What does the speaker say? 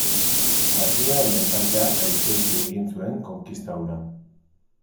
Nazioen Elkarteak gaitzetsi egin zuen konkista hura.